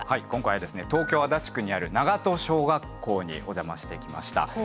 今回は東京・足立区にある長門小学校にお邪魔してきました。